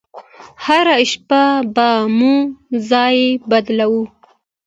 هره شپه به مو ځاى بدلاوه.